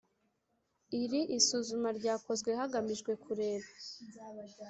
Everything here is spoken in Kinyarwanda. Iri isuzuma ryakozwe hagamijwe kureba